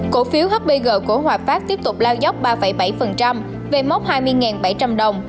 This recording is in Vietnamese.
cổ phiếu hpg của hoa pháp tiếp tục lao dốc ba bảy về mốc hai mươi bảy trăm linh đồng